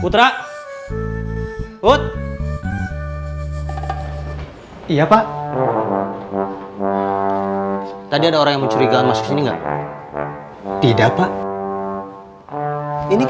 tadi ada orang yang mencurigakan masuk sini nggak